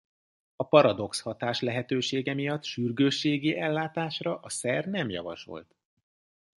A paradox hatás lehetősége miatt sürgősségi ellátásra a szer nem javasolt.